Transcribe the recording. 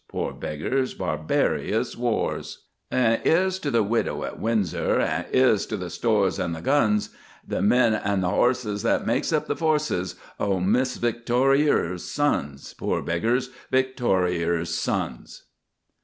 (Poor beggars! barbarious wars!) Then 'ere's to the Widow at Windsor, An' 'ere's to the stores and the guns, The men an' the 'orses what makes up the forces O' Missis Victorier's sons. (Poor beggars! Victorier's sons!)